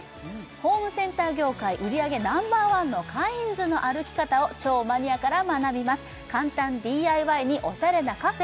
ホームセンター業界売り上げナンバーワンのカインズの歩き方を超マニアから学びます簡単ＤＩＹにおしゃれなカフェ？